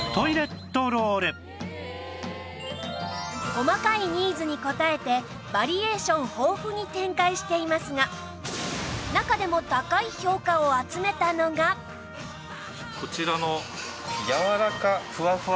細かいニーズに応えてバリエーション豊富に展開していますが中でもこちらの。